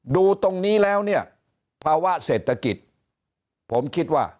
ดูตรงนี้แล้วเนี่ยภาวะเศรษฐกิจผมคิดว่า